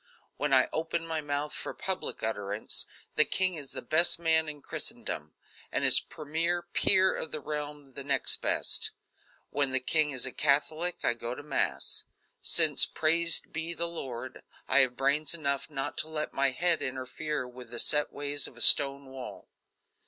When I open my mouth for public utterance, the king is the best man in Christendom, and his premier peer of the realm the next best. When the king is a Catholic I go to Mass; since, praised be the Lord, I have brains enough not to let my head interfere with the set ways of a stone wall.